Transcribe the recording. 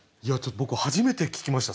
僕初めて聞きました